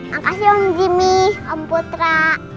makasih om gini om putra